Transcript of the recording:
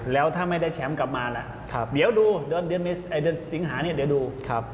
แล้วถ้าไม่ได้แชมป์กลับมาแล้วเดี๋ยวดูเดือนสิงหาเนี่ยเดี๋ยวดู